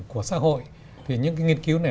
của xã hội thì những nghiên cứu này